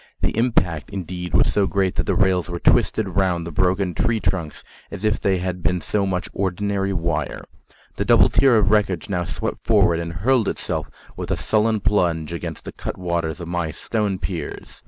The impact, indeed, was so great that the rails were twisted round the broken tree trunks as if they had been so much ordinary wire. The double tier of wreckage now swept forward, and hurled itself with a sullen plunge against the cutwaters of my stone piers.